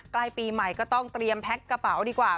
ใกล้ปีใหม่ก็ต้องเตรียมแพ็คกระเป๋าดีกว่า